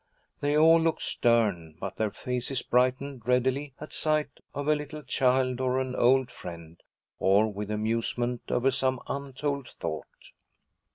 They all looked stern, but their faces brightened readily at sight of a little child or an old friend, or with amusement over some untold thought.